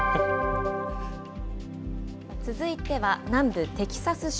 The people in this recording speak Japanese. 続いては南部テキサス州。